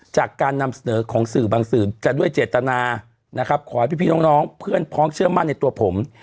จากการนำเสนอของสื่อบางสื่อจะด้วยเจตนานะครับขอให้พี่น้องเพื่อนพ้องเชื่อมั่นในตัวผม